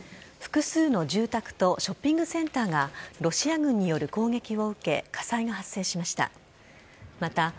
複数の住宅とショッピングセンターがロシア軍による攻撃を受け、火災が発生しました。